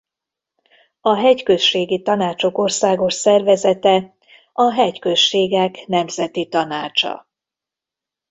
A hegyközségi tanácsok országos szervezete a Hegyközségek Nemzeti Tanácsa.